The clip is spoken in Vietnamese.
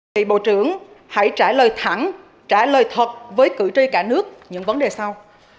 vị bộ trưởng hãy trả lời thẳng trả lời thật với cử tri cả nước những vấn đề sau